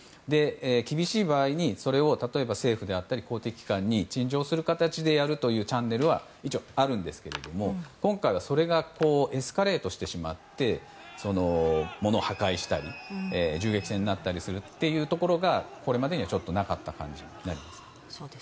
厳しい場合にそれを政府や公的機関に陳情する形でやるというチャンネルは一応、あるんですけども今回はそれがエスカレートしてしまい物を破壊したり銃撃戦になったりするというところがこれまでにちょっとなかった感じです。